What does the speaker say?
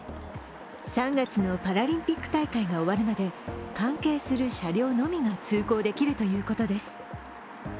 ３月のパラリンピック大会が終わるまで関係する車両のみが通行できるということです。